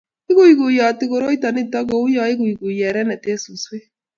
ikuikuyoti koroito nito kou ya ikuikui erene eng' suswek